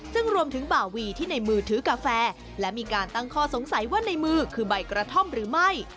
ซึ่งรวมถึงบ่าวีที่ในมือถือกาแฟและมีการตั้งข้อสงสัยว่าในมือคือใบกระท่อมหรือไม่